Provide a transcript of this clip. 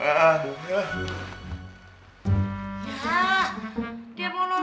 ya dia mulut lagi